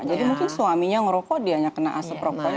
jadi mungkin suaminya merokok dia yang kena asap rokoknya